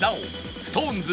ＳｉｘＴＯＮＥＳ